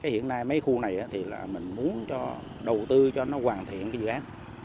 hiện nay mấy khu này thì là mình muốn đầu tư cho nó hoàn thiện cái dự án